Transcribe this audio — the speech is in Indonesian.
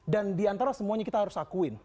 dan diantara semuanya kita harus akuin